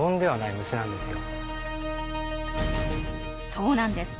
そうなんです。